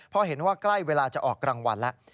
เพราะเห็นว่ากล้ายเวลาจะออกรางวัลละ